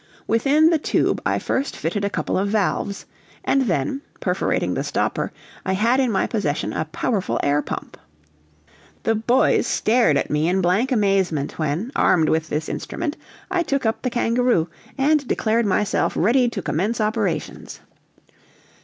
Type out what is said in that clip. Within the tube I first fitted a couple of valves, and then, perforating the stopper, I had in my possession a powerful air pump. The boys stared at me in blank amazement when, armed with this instrument, I took up the kangaroo, and declared myself ready to commence operations.